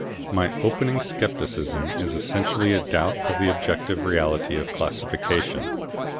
My opening scepticism is essentially a doubt of the objective reality of classification.